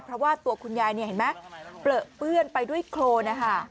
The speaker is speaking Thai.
เพราะว่าตัวคุณยายเนี่ยเห็นไหมเปลือเปื้อนไปด้วยโครนนะคะ